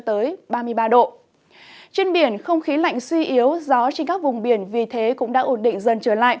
trên biển không khí lạnh suy yếu gió trên các vùng biển vì thế cũng đã ổn định